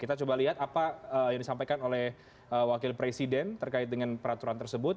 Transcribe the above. kita coba lihat apa yang disampaikan oleh wakil presiden terkait dengan peraturan tersebut